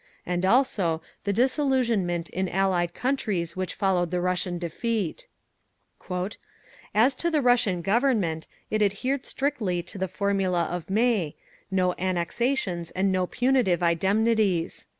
And also, the disillusionment in Allied countries which followed the Russian defeat…. "As to the Russian Government, it adhered strictly to the formula of May, 'No annexations and no punitive indemnities.